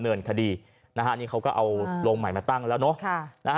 เนินคดีนะฮะนี่เขาก็เอาโรงใหม่มาตั้งแล้วเนอะ